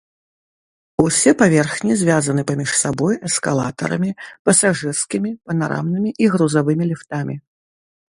Усе паверхі звязаны паміж сабой эскалатарамі, пасажырскімі, панарамнымі і грузавымі ліфтамі.